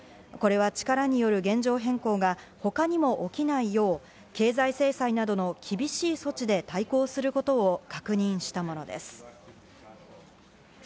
これは力による現状変更が他にも起きないよう経済制裁などの厳しい措置で対抗することを確認したものです。